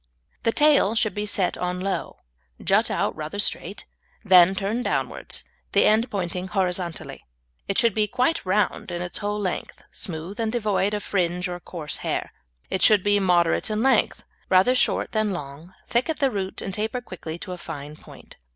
The tail should be set on low, jut out rather straight, then turn downwards, the end pointing horizontally. It should be quite round in its whole length, smooth and devoid of fringe or coarse hair. It should be moderate in length, rather short than long, thick at the root, and taper quickly to a fine point.